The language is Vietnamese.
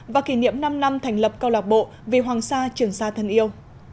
và kỷ niệm năm năm thành lập câu lạc bộ vì hoàng sa trường sa thân yêu